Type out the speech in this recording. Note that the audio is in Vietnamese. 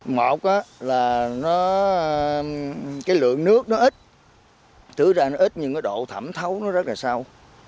một là lượng nước nó ít tự ra nó ít nhưng độ thẩm thấu nó rất là sâu